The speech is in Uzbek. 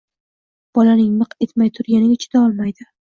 Bolaning miq etmay turganiga chidayolmaydi.